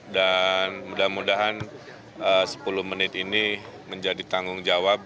dan mudah mudahan sepuluh menit ini menjadi tanggung jawab